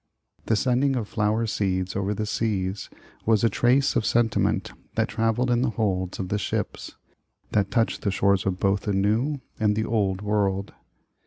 The sending of flower seeds over the seas, was a trace of sentiment that traveled in the holds of the ships, that touched the shores of both the new and the old world.